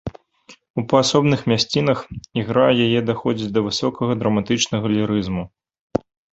У паасобных мясцінах ігра яе даходзіць да высокага драматычнага лірызму.